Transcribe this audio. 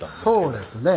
そうですね。